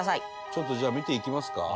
ちょっとじゃあ見ていきますか。